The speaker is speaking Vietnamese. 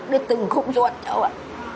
đứa từng không ruột cháu ạ